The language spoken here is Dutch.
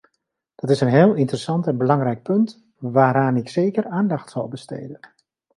Dat is een heel interessant en belangrijk punt, waaraan ik zeker aandacht zal besteden.